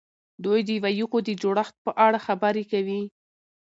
دوی د وییکو د جوړښت په اړه خبرې کوي.